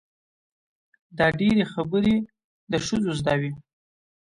دا ډېرې خبرې د ښځو زده وي.